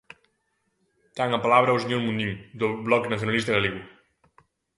Ten a palabra o señor Mundín, do Bloque Nacionalista Galego.